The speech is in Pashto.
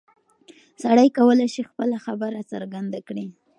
سړی کولی شي خپله خبره څرګنده کړي.